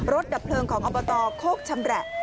ดับเพลิงของอบตโคกชำแหละ